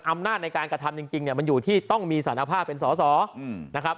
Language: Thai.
อำนาจในการกระทำจริงเนี่ยมันอยู่ที่ต้องมีสารภาพเป็นสอสอนะครับ